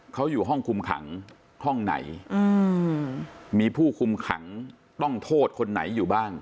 เขาอยู่ห้องคุมขังห้องไหนมีผู้คุมขังต้องโทษคนไหนอยู่บ้าง